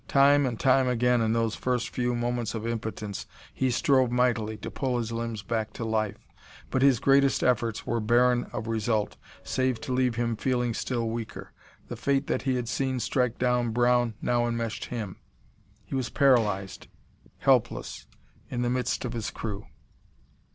Time and time again in those first few moments of impotence he strove mightily to pull his limbs back to life. But his greatest efforts were barren of result, save to leave him feeling still weaker. The fate that he had seen strike down Brown now enmeshed him. He was paralyzed. Helpless. In the midst of his crew.